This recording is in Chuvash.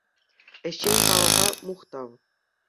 Ӗҫчен халӑха — мухтав!